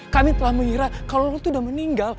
kami telah mengira kalau itu sudah meninggal